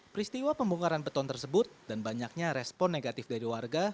peristiwa pembongkaran beton tersebut dan banyaknya respon negatif dari warga